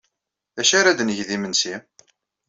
D acu ara d-neg d imensi?